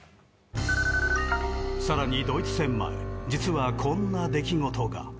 更にドイツ戦前実は、こんな出来事が。